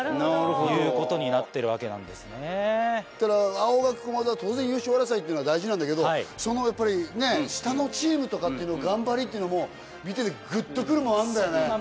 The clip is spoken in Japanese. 青学駒澤当然優勝争いってのは大事なんだけどやっぱり下のチームとかの頑張りというのも見ててグッと来るもんあんだよね。